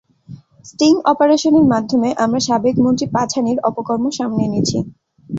Sting অপারেশনে মাধ্যমে আমরা সাবেক মন্ত্রী পাঝানির অপকর্ম সামনে এনেছি।